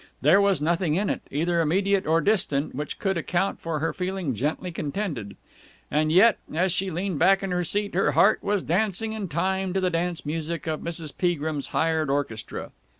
There was nothing in it, either immediate or distant, which could account for her feeling gently contented. And yet, as she leaned back in her seat, her heart was dancing in time to the dance music of Mrs. Peagrim's hired orchestra.